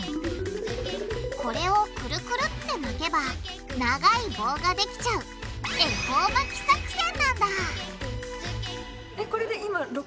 これをクルクルって巻けば長い棒ができちゃう「恵方巻き作戦」なんだ！